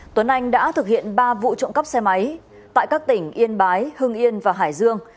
tuấn anh đã thực hiện ba vụ trộm cắp xe máy tại các tỉnh yên bái hưng yên và hải dương